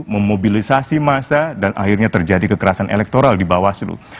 memobilisasi massa dan akhirnya terjadi kekerasan elektoral di bawah seluruh